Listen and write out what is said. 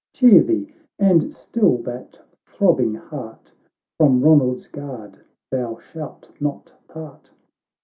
Cheer thee, and still that throbbing heart ; "From Eonald's guard thou shalt not part."